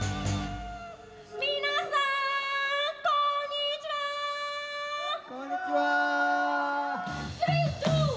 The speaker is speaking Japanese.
皆さん、こんにちは。